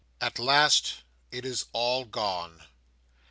At last it is all gone.